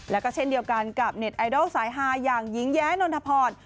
แล้วก็เช่นเดียวกันกับเน็ตไอดอลสายฮาอย่างหญิงแย้นนทพร